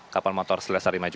kepala motor lestari maju